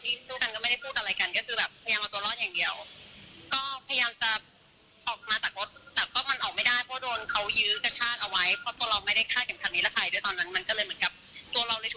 เธอควรหัวคนได้ยินเธอก็เลยเหมือนผ่อนแล้งช่วงนั้นคือเราขัดเขาแล้วออกมาเลย